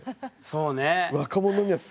そうね。